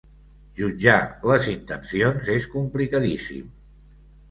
Jutjar les intencions és complicadíssim.